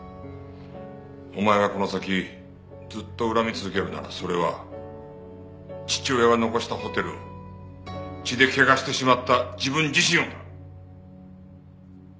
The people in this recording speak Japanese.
お前がこの先ずっと恨み続けるならそれは父親が残したホテルを血で汚してしまった自分自身をだ。